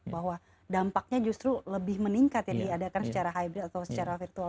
bahwa dampaknya justru lebih meningkat ya diadakan secara hybrid atau secara virtual